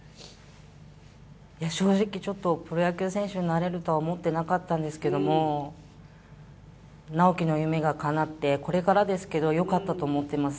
正直ちょっとプロ野球選手になれるとは思っていなかったんですけれども直喜の夢がかなって、これからですけどよかったと思っています。